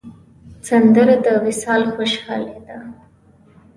سندره د وصال خوشحالي ده